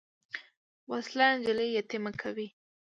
وسله نجلۍ یتیمه کوي